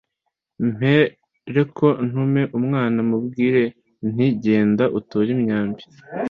mpereko ntume umwana mubwire nti ‘Genda utore imyambi.’